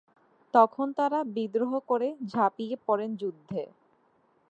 তখন তারা বিদ্রোহ করে ঝাঁপিয়ে পড়েন যুদ্ধে।